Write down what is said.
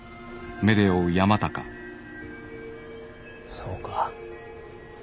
そうか。